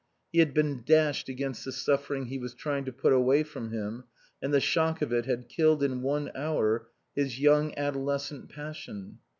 He had been dashed against the suffering he was trying to put away from him and the shock of it had killed in one hour his young adolescent passion.